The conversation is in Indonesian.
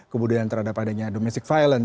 kemudian terhadap adanya domestic violent